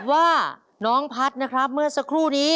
ว่าน้องพัฒน์นะครับเมื่อสักครู่นี้